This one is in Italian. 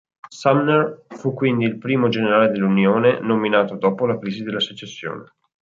Sumner fu quindi il primo generale dell'Unione nominato dopo la crisi della secessione.